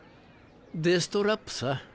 デストラップさ。